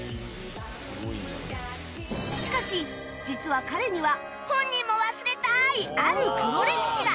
しかし実は彼には本人も忘れたいある黒歴史が